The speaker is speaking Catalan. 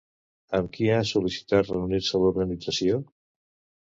Amb qui ha sol·licitat reunir-se l'organització?